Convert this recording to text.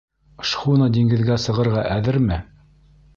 Шхуна диңгеҙгә сығырға әҙерме?